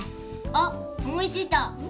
あっおもいついた！